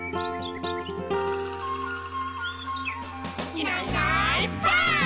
「いないいないばあっ！」